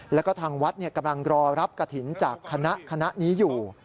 แล้วก็ทางวัดกำลังรอรับกระถิ่นจากคณะนี้อยู่